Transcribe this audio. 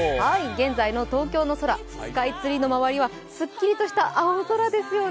現在の東京の空、スカイツリーの周りはすっきりとした青空ですね。